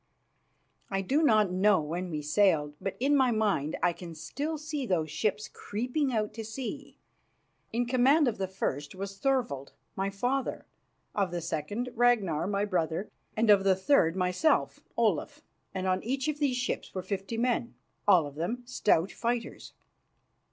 I do not know when we sailed, but in my mind I can still see those ships creeping out to sea. In command of the first was Thorvald, my father; of the second, Ragnar, my brother; and of the third myself, Olaf; and on each of these ships were fifty men, all of them stout fighters.